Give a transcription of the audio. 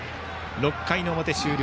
６回の表終了。